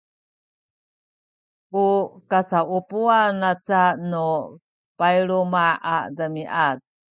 u kasaupuwan aca nu payluma’ a demiad